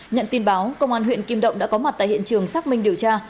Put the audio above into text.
nhận tin báo công an huyện kim động đã có mặt tại hiện trường xác minh điều tra